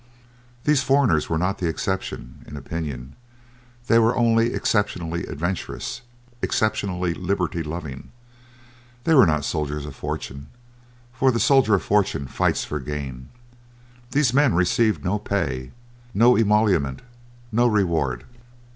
These foreigners were not the exception in opinion, they were only exceptionally adventurous, exceptionally liberty loving. They were not soldiers of fortune, for the soldier of fortune fights for gain. These men receive no pay, no emolument, no reward.